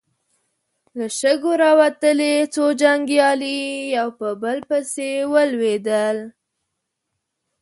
له شګو راوتلې څو جنګيالي يو په بل پسې ولوېدل.